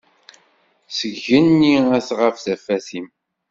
Seg igenni ad tɣab tafat-im.